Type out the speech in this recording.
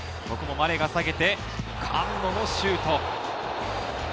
ここもマレガ下げて、カンノのシュート。